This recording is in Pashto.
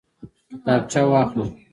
کتابچه واخله